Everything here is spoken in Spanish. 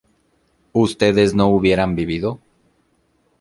¿ustedes no hubieran vivido?